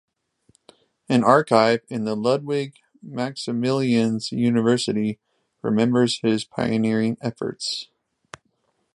An archive in the Ludwig Maximilians University remembers his pioneering efforts.